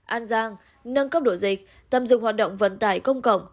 an giang nâng cấp độ dịch tạm dừng hoạt động vận tải công cộng